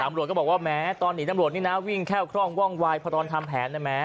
ตำรวจก็บอกว่าแม้ตอนหนีตำรวจนี่นะวิ่งแค่วคร่องว่องวายพอตอนทำแผนนะแม้